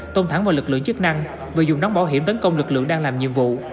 tông thẳng vào lực lượng chức năng và dùng nón bảo hiểm tấn công lực lượng đang làm nhiệm vụ